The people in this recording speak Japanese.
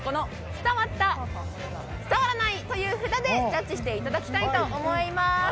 伝わった、伝わらないという札でジャッジしていただきたいと思います。